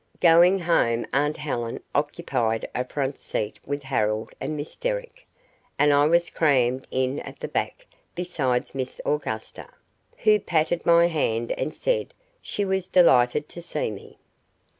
Going home aunt Helen occupied a front seat with Harold and Miss Derrick, and I was crammed in at the back beside Miss Augusta, who patted my hand and said she was delighted to see me.